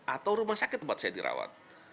atau rumah sakit tempat saya dirawat